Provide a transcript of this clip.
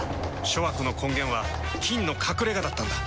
諸悪の根源は「菌の隠れ家」だったんだ。